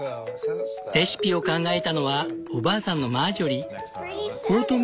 レシピを考えたのはおばあさんのマージョリー。